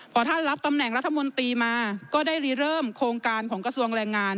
พอท่านรับตำแหน่งรัฐมนตรีมาก็ได้รีเริ่มโครงการของกระทรวงแรงงาน